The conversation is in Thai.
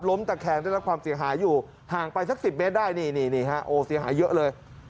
ล้มตะแคงและความเสียหายอยู่ห่างไปสัก๑๐เมตรได้นี่นี่นี่ฮะโอ้เสียหายเยอะเลย